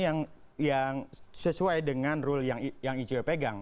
yang sesuai dengan rule yang icw pegang